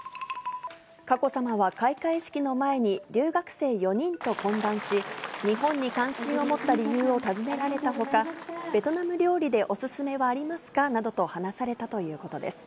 佳子さまは開会式の前に留学生４人と懇談し、日本に関心を持った理由を尋ねられたほか、ベトナム料理でお勧めはありますか？などと話されたということです。